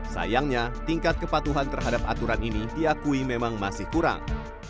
sayangnya tingkat kepatuhan terhadap aturan ini diakui memang masih kurang